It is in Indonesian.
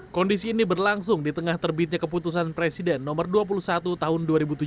kondisi ini berlangsung di tengah terbitnya keputusan presiden nomor dua puluh satu tahun dua ribu tujuh belas